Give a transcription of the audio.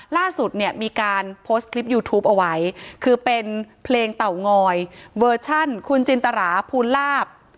ล่าสุดเนี่ยมีการโพสต์คลิปยูทูปเอาไว้คือเป็นเพลงเต่างอยเวอร์ชันคุณจินตราภูลาภ